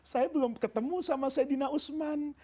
saya belum ketemu sama saidina usman